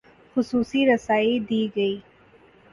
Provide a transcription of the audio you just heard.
خصوصی رسائی دی گئی